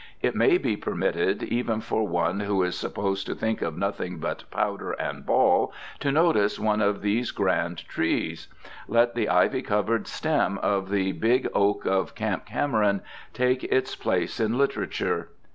It may be permitted even for one who is supposed to think of nothing but powder and ball to notice one of these grand trees. Let the ivy covered stem of the Big Oak of Camp Cameron take its place in literature!